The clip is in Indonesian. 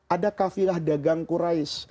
ada kafilah dagang quraish